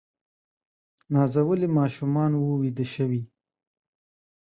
نازولي ماشومان وه بیده شوي